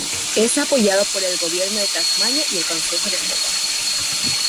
Es apoyado por el Gobierno de Tasmania y el Consejo de Hobart.